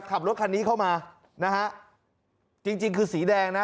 ขับรถคันนี้เข้ามานะฮะจริงจริงคือสีแดงนะ